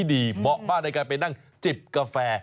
เหมาะมากในการไปนั่งจิบกาแฟ